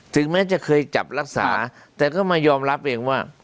ถึงแม้จะเคยจับรักษาแต่ก็มายอมรับเองว่า